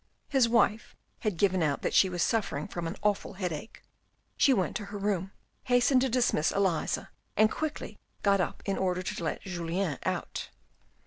His wife had given out that she was suffering from an awful headache. She went to her room, hastened to dismiss Elisa and quickly got up in order to let Julien out.